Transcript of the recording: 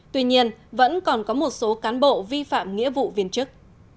tuy nhiên vẫn còn có một số cán bộ vi phạm nghĩa vụ viên chức